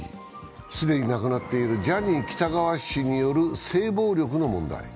既に亡くなっているジャニー喜多川氏による性暴力の問題。